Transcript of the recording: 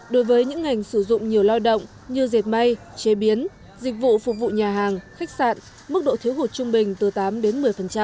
đối với những ngành sử dụng nhiều lao động như dệt may chế biến dịch vụ phục vụ nhà hàng khách sạn mức độ thiếu hụt trung bình từ tám đến một mươi